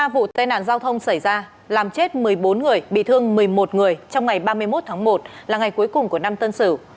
ba vụ tai nạn giao thông xảy ra làm chết một mươi bốn người bị thương một mươi một người trong ngày ba mươi một tháng một là ngày cuối cùng của năm tân sửu